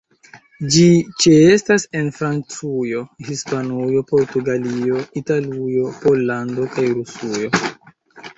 Ĝi ĉeestas en Francujo, Hispanujo, Portugalio, Italujo, Pollando kaj Rusujo.